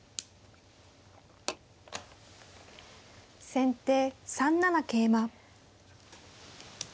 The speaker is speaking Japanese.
先手３七桂馬。